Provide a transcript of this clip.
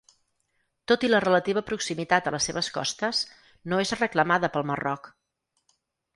Tot i la relativa proximitat a les seves costes, no és reclamada pel Marroc.